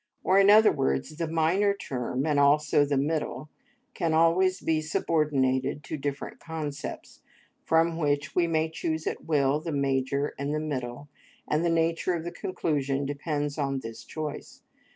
Or, in other words, the minor term and also the middle can always be subordinated to different concepts, from which we may choose at will the major and the middle, and the nature of the conclusion depends on this choice.